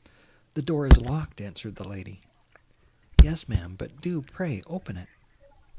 "The door is locked," answered the lady. "Yes, ma'am, but do pray open it."